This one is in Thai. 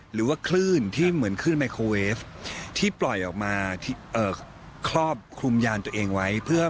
หรือว่าคลื่นที่เหมือนคลื่นไมโครเวฟที่ปล่อยออกมาเอ่อครอบคลุมยานตัวเองไว้เพื่อ